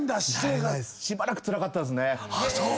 しばらくつらかったですね。